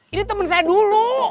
ini temen saya dulu